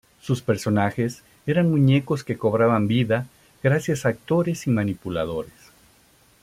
Sus personajes eran muñecos que cobraban vida gracias a actores y manipuladores.